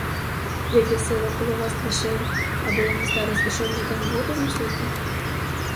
Як я силу коло вас лишив, аби я на старість ішов жидам воду носити?